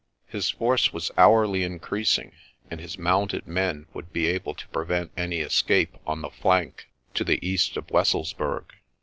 His force was hourly increasing and his mounted men would be able to prevent any escape on the flank to the east of Wesselsburg.